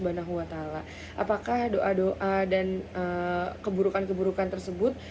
apakah doa doa dan keburukan keburukan tersebut